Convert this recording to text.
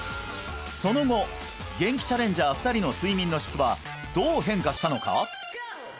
その後ゲンキチャレンジャー２人の睡眠の質はどう変化したのか？